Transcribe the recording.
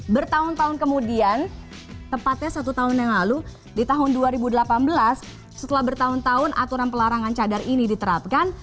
bertahun tahun kemudian tepatnya satu tahun yang lalu di tahun dua ribu delapan belas setelah bertahun tahun aturan pelarangan cadar ini diterapkan